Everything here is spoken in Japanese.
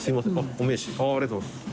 お名刺ありがとうございます。